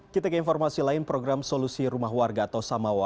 kita ke informasi lain program solusi rumah warga atau samawa